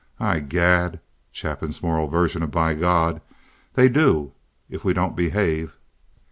I gad"—Chapin's moral version of "by God"—"they do, if we don't behave."